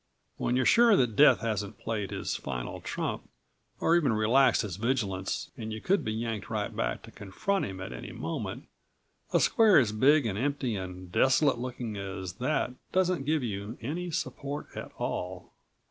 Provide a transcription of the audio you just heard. When you're sure that Death hasn't played his final trump or even relaxed his vigilance and you could be yanked right back to confront him at any moment a square as big and empty and desolate looking as that doesn't give you any support at all.